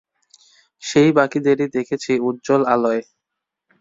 সেই বাকিদেরই দেখেছি উজ্জ্বল আলোয়।